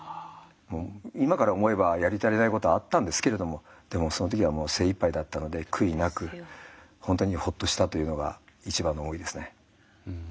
今から思えばやり足りないことあったんですけれどもでもその時はもう精いっぱいだったので悔いなく本当にほっとしたというのが一番の思いですね。